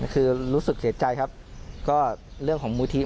คือรู้สึกเสียใจครับก็เรื่องของมูลที่